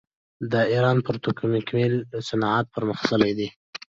د ایران پتروکیمیکل صنعت پرمختللی دی.